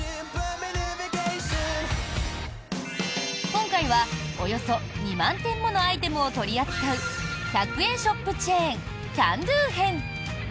今回は、およそ２万点ものアイテムを取り扱う１００円ショップチェーンＣａｎ★Ｄｏ編。